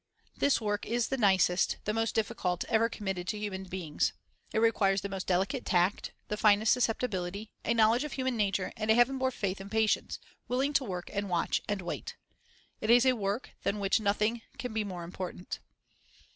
This work is the nicest, the most difficult, ever com mitted to human beings. It requires the most delicate tact, the finest susceptibility, a knowledge of human nature, and a heaven born faith and patience, willing to work and watch and wait. It is a work than which nothing can be more important.